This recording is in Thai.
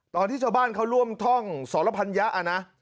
ตอนที่ชาวบ้านเขาร่วมท่องสรพัญญะนะ